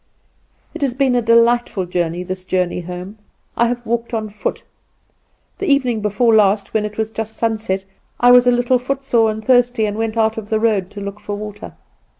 "It has been a delightful journey, this journey home. I have walked on foot. The evening before last, when it was just sunset, I was a little footsore and thirsty, and went out of the road to look for water.